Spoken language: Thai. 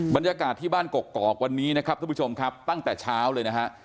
บรรยากาศที่บ้านกกอกวันนี้นะครับทุกผู้ชมครับตั้งแต่เช้าเลยนะฮะ